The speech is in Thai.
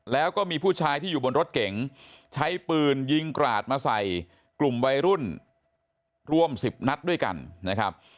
แล้วก็มีผู้ชายที่อยู่บนรถเก๋งใช้ปืนยิงกราดมาใส่กลุ่มวัยรุ่นร่วม๑๐นัดด้วยกันนะครับ